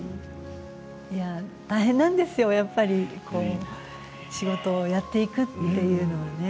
大変なんですよ、やっぱり仕事をやっていくっていうのはね